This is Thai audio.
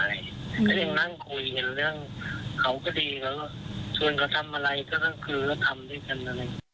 ก็ยังนั่งคุยเห็นเรื่องเขาก็ดีแล้ว